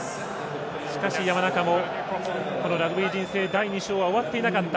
しかし、山中もこのラグビー人生第２章は終わっていなかった。